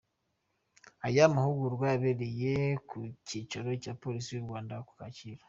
Aya mahugurwa yabereye ku cyicaro cya Polisi y’u Rwanda ku Kacyiru.